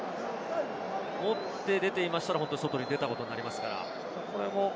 持って出てしまうと外に出たことになりますから。